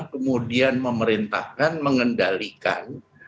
kemudian memerintahkan mengendalikan